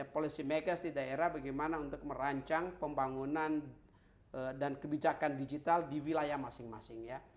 policy makers di daerah bagaimana untuk merancang pembangunan dan kebijakan digital di wilayah masing masing ya